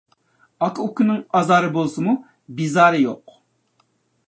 ئاكا-ئۇكىنىڭ ئازارى بولسىمۇ، بىزارى يوق.